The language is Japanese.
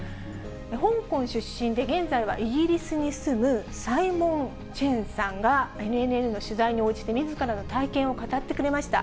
香港出身で現在はイギリスに住む、サイモン・チェンさんがＮＮＮの取材に応じて、みずからの体験を語ってくれました。